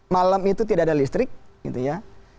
malam itu tidak ada listrik gitu ya